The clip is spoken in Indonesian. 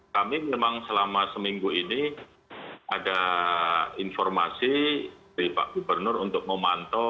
kami memang selama seminggu ini ada informasi dari pak gubernur untuk memantau